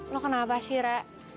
lo kenapa sih ra